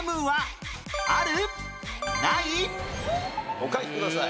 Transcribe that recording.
お書きください。